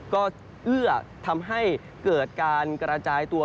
ก็เอื้อทำให้เกิดการกระจายตัว